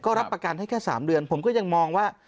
ก็รับประกันให้แค่๓เดือนผมก็ยังมองว่า